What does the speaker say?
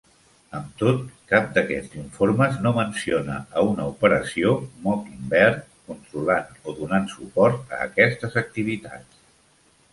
Amb tot, cap d'aquests informes no menciona una operació Mockingbird controlant o donant suport a aquestes activitats.